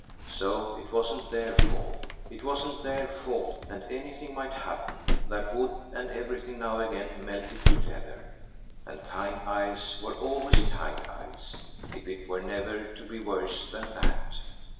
So it wasn't their fault, it wasn't their fault, and anything might happen that would, and everything now again melted together, and kind eyes were always kind eyes if it were never to be worse than that!